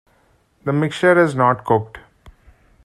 The mixture is not cooked.